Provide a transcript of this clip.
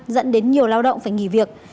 dẫn đến nhiều lao động phải nghỉ việc